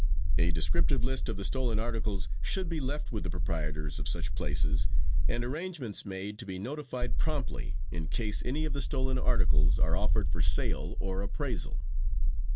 A descriptive list of the stolen articles should be left with the proprietors of such places and arrangements made to be notified promptly in case any of the stolen articles are offered for sale or appraisal.